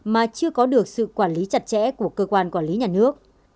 mà chưa có được sự quản lý chặt chẽ của cơ quan quản lý nhà nước